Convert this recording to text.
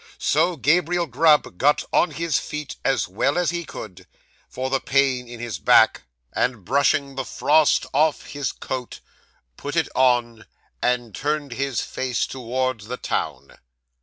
So, Gabriel Grub got on his feet as well as he could, for the pain in his back; and, brushing the frost off his coat, put it on, and turned his face towards the town.